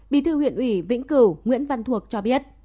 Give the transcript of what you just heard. bí thư huyện ủy vĩnh cửu nguyễn văn thuộc cho biết